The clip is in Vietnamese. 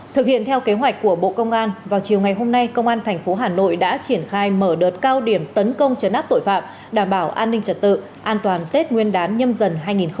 thực hiện theo kế hoạch của bộ công an vào chiều ngày hôm nay công an tp hà nội đã triển khai mở đợt cao điểm tấn công chấn áp tội phạm đảm bảo an ninh trật tự an toàn tết nguyên đán nhâm dần hai nghìn hai mươi bốn